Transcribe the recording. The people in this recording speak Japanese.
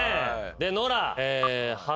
でノラ。